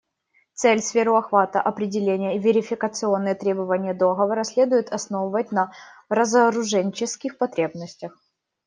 Цель, сферу охвата, определение и верификационные требования договора следует основывать на разоруженческих потребностях.